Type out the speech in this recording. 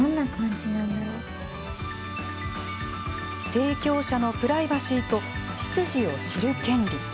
提供者のプライバシーと出自を知る権利。